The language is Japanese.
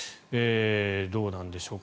どうなんでしょうか。